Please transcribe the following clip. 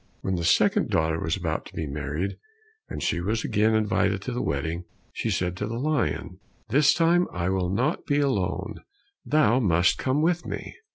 When the second daughter was about to be married, and she was again invited to the wedding, she said to the lion, "This time I will not be alone, thou must come with me."